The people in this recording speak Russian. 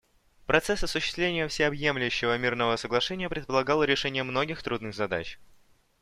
Процесс осуществления Всеобъемлющего мирного соглашения предполагал решение многих трудных задач.